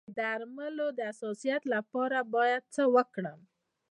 د درملو د حساسیت لپاره باید څه وکړم؟